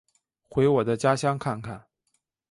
回我的家乡看看